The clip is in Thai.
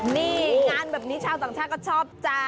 นี่งานแบบนี้ชาวต่างชาติก็ชอบจ้า